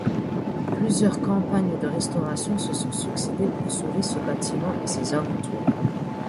Plusieurs campagnes de restauration se sont succédé pour sauver ce bâtiment et ses alentours.